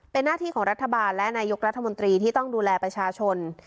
เป็นหน้าที่ของรัฐบาลและนายกรัฐมนตรีที่ต้องดูแลประชาชน